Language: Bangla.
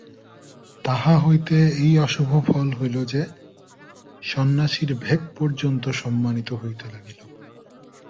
তাহা হইতে এই অশুভ ফল হইল যে, সন্ন্যাসীর ভেক পর্যন্ত সম্মানিত হইতে লাগিল।